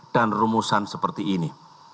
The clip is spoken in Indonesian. dan rumusan seperti ini